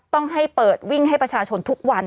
ต้องให้เปิดวิ่งให้ประชาชนทุกวัน